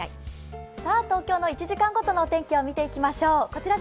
東京の１時間ごとのお天気、見ていきましょう。